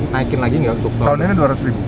naikin lagi gak tahun ini dua ratus ribu